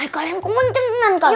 ayolah yang kumencet tenang kak